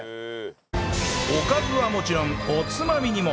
おかずはもちろんおつまみにも